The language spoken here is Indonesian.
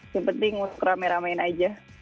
yang penting untuk rame ramein aja